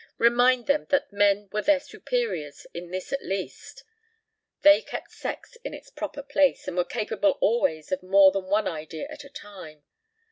Remind them that men were their superiors in this at least: they kept sex in its proper place and were capable always of more than one idea at a time.